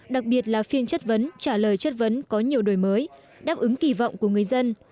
đặc biệt là phiên chất vấn trả lời chất vấn có nhiều đổi mới đáp ứng kỳ vọng của người dân